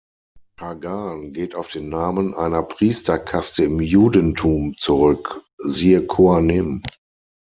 Kagan geht auf den Namen einer Priesterkaste im Judentum zurück, siehe Kohanim.